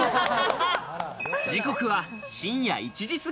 時刻は深夜１時過ぎ。